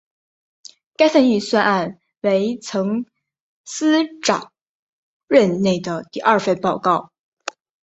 该份预算案为曾司长任内的第二份报告。